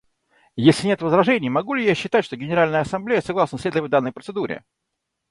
Если нет возражений, могу ли я считать, что Генеральная Ассамблея согласна следовать данной процедуре?